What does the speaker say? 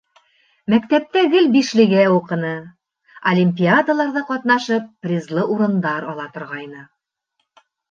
Мәктәптә гел «бишле»гә уҡыны, олимпиадаларҙа ҡатнашып призлы урындар ала торғайны.